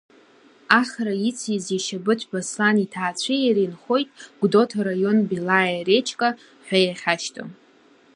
Ахра ициз иашьа Быҭәба Аслан иҭаацәеи иареи нхоит, Гәдоуҭа араион Белаиа речка ҳәа иахьашьҭоу.